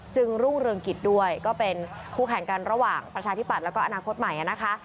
รุ่งเรืองกิจด้วยก็เป็นคู่แข่งกันระหว่างประชาธิบัตย์แล้วก็อนาคตใหม่นะคะ